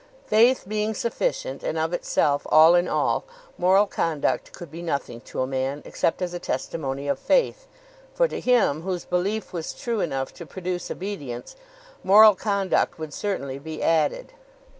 Faith being sufficient and of itself all in all, moral conduct could be nothing to a man, except as a testimony of faith; for to him, whose belief was true enough to produce obedience, moral conduct would certainly be added.